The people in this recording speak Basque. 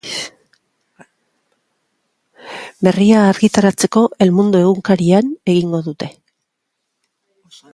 Berria argitaratzeko El Mundo egunkarian egingo dute.